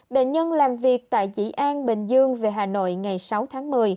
bệnh nhân làm việc tại dĩ an bình dương về hà nội ngày sáu tháng một mươi